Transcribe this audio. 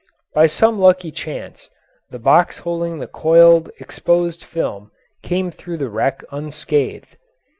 By some lucky chance the box holding the coiled exposed film came through the wreck unscathed.